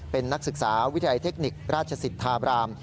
เป็นนักศึกษาวิทยาลัยเทคนิคราชสิทธาบราม